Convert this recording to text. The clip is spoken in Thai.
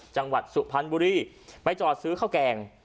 จังหวัดสุพรรณบุรีไปจอดซื้อข้าวแกง